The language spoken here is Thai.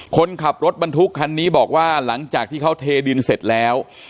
คนขับรถบรรทุกคันนี้บอกว่าหลังจากที่เขาเทดินเสร็จแล้ว